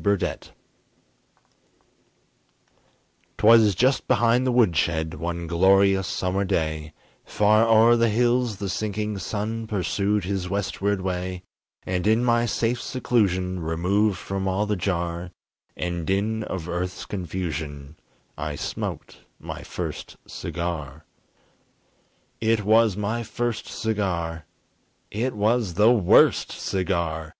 BURDETTE 'Twas just behind the woodshed, One glorious summer day, Far o'er the hills the sinking sun Pursued his westward way; And in my safe seclusion Removed from all the jar And din of earth's confusion I smoked my first cigar. It was my first cigar! It was the worst cigar!